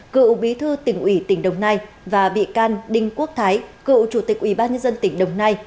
cựu bí thư tỉnh ủy tỉnh đồng nai và bị can đinh quốc thái cựu chủ tịch ủy ban nhân dân tỉnh đồng nai